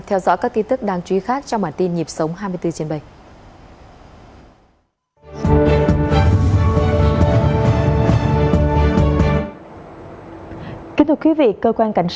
theo dõi các tin tức đáng chú ý khác trong bản tin nhịp sống hai mươi bốn trên bảy